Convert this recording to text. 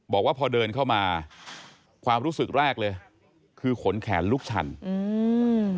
บอกว่าพอเดินเข้ามาความรู้สึกแรกเลยคือขนแขนลูกชันอืม